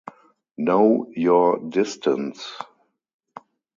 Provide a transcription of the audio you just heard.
Know your distance.